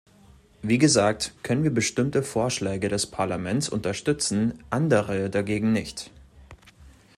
Wie gesagt, können wir bestimmte Vorschläge des Parlaments unterstützen, andere dagegen nicht.